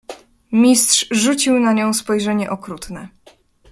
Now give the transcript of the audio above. "Mistrz rzucił na nią spojrzenie okrutne."